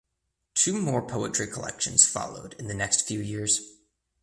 Two more poetry collections followed in the next few years.